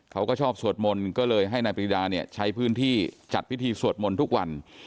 เขาก็ชอบสวดมนต์ก็เลยให้นายปรีดาเนี่ยใช้พื้นที่จัดพิธีสวดมนต์ทุกวัน